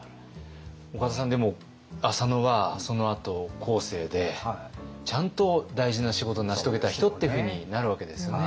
岡田さんでも浅野はそのあと後世でちゃんと大事な仕事を成し遂げた人っていうふうになるわけですよね。